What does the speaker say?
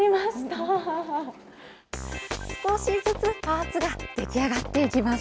少しずつパーツが出来上がっていきます。